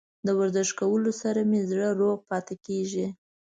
د ورزش کولو سره مې زړه روغ پاتې کیږي.